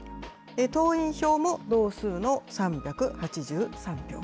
党員票も同数の３８３票。